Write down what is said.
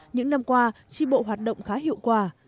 những năm qua tri bộ hoạt động khá hiệu quả